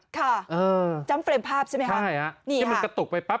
ค่ะจัมป์เฟรมภาพใช่ไหมครับ